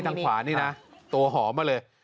ทางขวานี่นะตัวหอมมาเลย